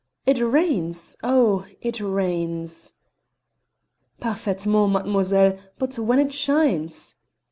"It rains oh! it rains " "Parfaitement, mademoiselle, but when it shines!"